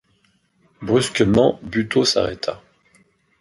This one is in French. Brusquement, Buteau s’arrêta.